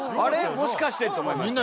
もしかして」と思いました。